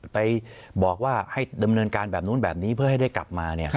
ไปบอกว่าให้ดำเนินการแบบนู้นแบบนี้เพื่อให้ได้กลับมา